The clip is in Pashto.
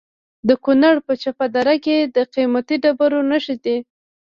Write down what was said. د کونړ په چپه دره کې د قیمتي ډبرو نښې دي.